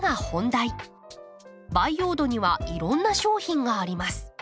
培養土にはいろんな商品があります。